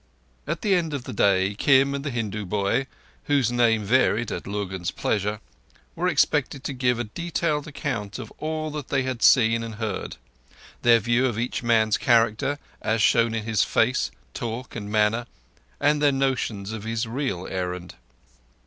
At the end of the day, Kim and the Hindu boy—whose name varied at Lurgan's pleasure—were expected to give a detailed account of all that they had seen and heard—their view of each man's character, as shown in his face, talk, and manner, and their notions of his real errand.